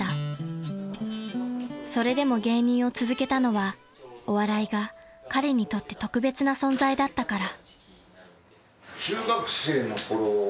［それでも芸人を続けたのはお笑いが彼にとって特別な存在だったから］